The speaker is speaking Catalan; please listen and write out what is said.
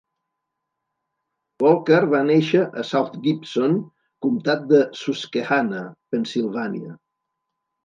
Walker va néixer a South Gibson, comtat de Susquehanna, Pennsilvània.